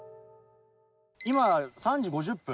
今３時５０分。